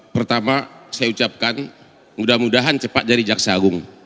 pertama saya ucapkan mudah mudahan cepat dari jaksa agung